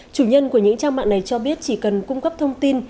chủ nhân của những trang mạng này cho biết chỉ cần cung cấp thông tin